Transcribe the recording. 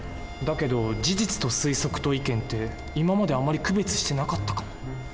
だけど事実と推測と意見って今まであまり区別してなかったかも。